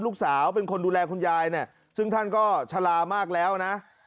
ลูกสาวเป็นคนดูแลคุณยายเนี่ยซึ่งท่านก็ชะลามากแล้วนะ